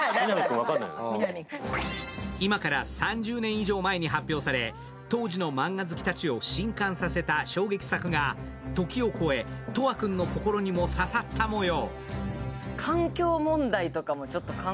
今から３０年以上前に発表され、当時のマンガ好きたちを震撼させた衝撃作が時を越え、斗亜君の心にも刺さった模様。